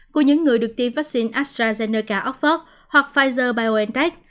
của những người được tiêm vaccine astrazeneca oxford hoặc pfizer biontech